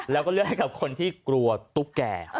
แล้วก็เลือกให้กับคนที่กลัวตุ๊กแก่